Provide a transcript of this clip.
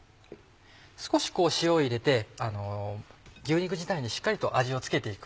少し塩を入れて牛肉自体にしっかりと味を付けて行く。